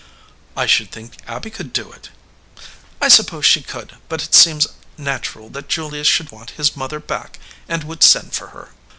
"I should think Abby could do it." "I suppose she could, but it seems natural that Julius should want his mother back and would send for her."